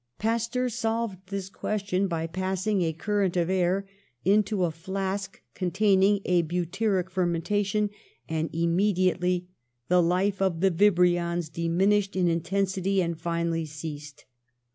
Pasteur solved this question by passing a current of air into a flask containing a butyric fermentation, and immediately the life of the vibrions diminished in intensity and finally ceased.